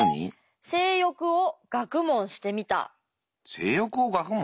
性欲を学問？